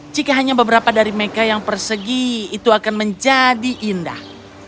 jika hanya beberapa dari mereka yang persegi itu akan menjadi indah